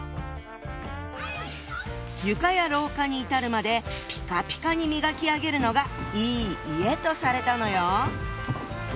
床や廊下に至るまでピカピカに磨き上げるのがいい家とされたのよ。